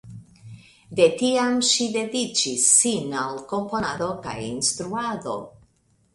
De tiam ŝi dediĉis sin al komponado kaj instruado.